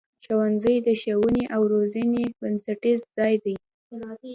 ښوونځی د ښوونې او روزنې بنسټیز ځای دی.